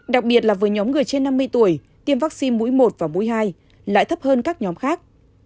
đặc biệt là với nhóm người trên năm mươi tuổi tiêm vaccine mũi một và mũi hai lại thấp hơn các nhóm khác